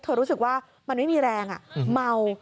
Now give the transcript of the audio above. รู้สึกว่ามันไม่มีแรงเมา